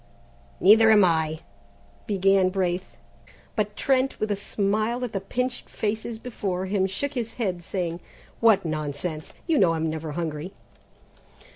"Neither am I," began Braith, but Trent, with a smile at the pinched faces before him, shook his head saying, "What nonsense! You know I'm never hungry!"